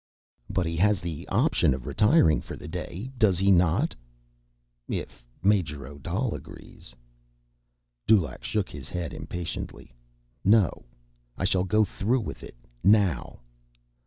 "But he has the option of retiring for the day, does he not?" "If Major Odal agrees." Dulaq shook his head impatiently. "No. I shall go through with it. Now."